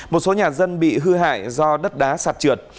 một số nhà dân bị hư hại do đất đá sạt trượt